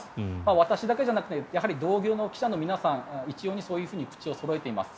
私だけじゃなくて同業の記者の皆さん一様にそういうふうに口をそろえています。